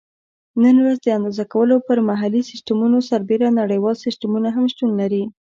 نن ورځ د اندازه کولو پر محلي سیسټمونو سربیره نړیوال سیسټمونه هم شتون لري.